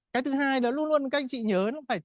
cái thứ hai là luôn luôn các anh chị nhớ